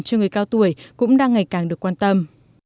cho người cao tuổi cũng đang ngày càng được quan tâm